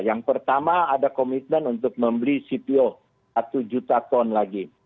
yang pertama ada komitmen untuk membeli cpo satu juta ton lagi